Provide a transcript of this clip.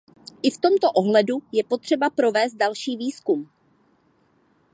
I v tomto ohledu je potřeba provést další výzkum.